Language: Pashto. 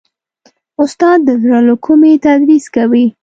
استاد د زړه له کومي تدریس کوي.